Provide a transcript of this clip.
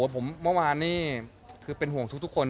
ผมเมื่อวานนี้คือเป็นห่วงทุกคน